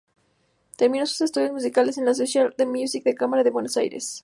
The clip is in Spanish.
Terminó sus estudios musicales en la Asociación de Música de Cámara de Buenos Aires.